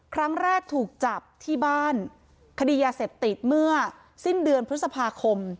ครั้งแรกถูกจับที่บ้านคดียาเสพติดเมื่อสิ้นเดือนพฤษภาคม